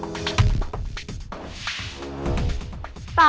kita bakalan dipecat